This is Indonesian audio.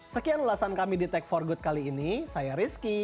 sekian ulasan kami di tech for good kali ini saya rizky